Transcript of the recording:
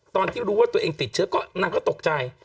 ตอนที่รู้ว่าตัวเองติดเชื้อก็นางก็ตกใจ